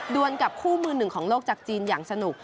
วนกับคู่มือหนึ่งของโลกจากจีนอย่างสนุก